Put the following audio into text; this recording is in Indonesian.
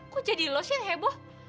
kok jadi lo sih yang heboh